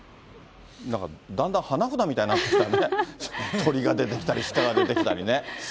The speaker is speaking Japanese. なんかだんだん花札みたいになってきたね、鳥が出てきたり、鹿が出てきたりね。